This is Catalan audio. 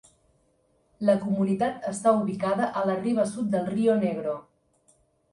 La comunitat està ubicada a la riba sud del Río Negro